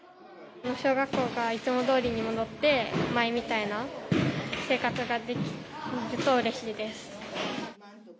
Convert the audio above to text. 小学校がいつもどおりに戻って、前みたいな生活ができるとうれしいです。